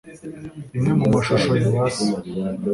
Imwe mu mashusho ya ba se